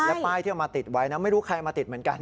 ป้ายที่เอามาติดไว้นะไม่รู้ใครมาติดเหมือนกัน